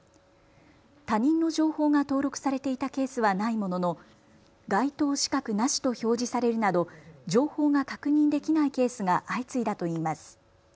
他人の情報が登録されていたケースはないものの該当資格なしと表示されるなど情報が確認できないケースが相次いだといいます。